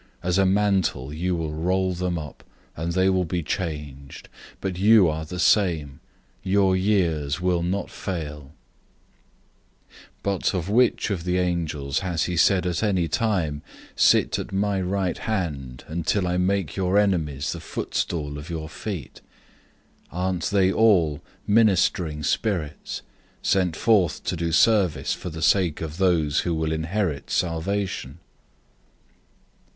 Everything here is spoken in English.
001:012 As a mantle, you will roll them up, and they will be changed; but you are the same. Your years will not fail."{Psalm 102:25 27} 001:013 But which of the angels has he told at any time, "Sit at my right hand, until I make your enemies the footstool of your feet?"{Psalm 110:1} 001:014 Aren't they all serving spirits, sent out to do service for the sake of those who will inherit salvation?